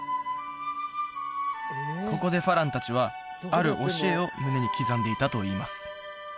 ここで花郎達はある教えを胸に刻んでいたといいます